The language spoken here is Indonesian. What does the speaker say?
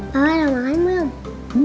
papa udah makan belum